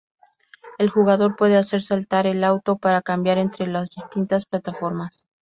El jugador puede hacer saltar el auto para cambiar entre las distintas plataformas.